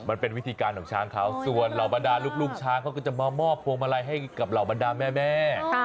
มันเป็นวิธีการของช้างเขาส่วนเหล่าบรรดาลูกช้างเขาก็จะมามอบพวงมาลัยให้กับเหล่าบรรดาแม่